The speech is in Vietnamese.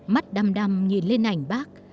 mắt đam đam nhìn lên ảnh bác